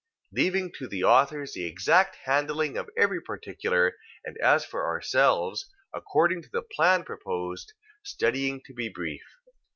2:29. Leaving to the authors the exact handling of every particular, and as for ourselves, according to the plan proposed, studying to be brief.